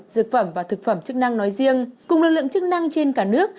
dược phẩm và thực phẩm chức năng nói riêng cùng lực lượng chức năng trên cả nước